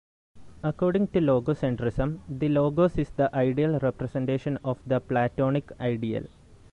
According to logocentrism, the logos is the ideal representation of the Platonic ideal.